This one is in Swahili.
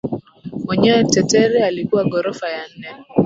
Mwenyewe Tetere alikuwa ghorofa ya nne